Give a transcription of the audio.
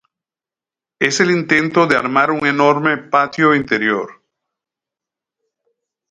Es el intento de armar un enorme patio interior".